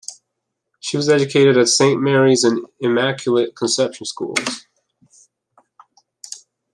He was educated at Saint Mary's and Immaculate Conception Schools.